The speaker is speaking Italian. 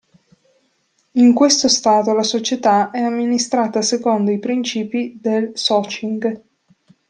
In questo stato la società è amministrata secondo i principi del Socing.